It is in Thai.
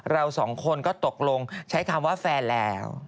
เราสองคนก็ตกลงใช้คำว่าแฟนแล้ว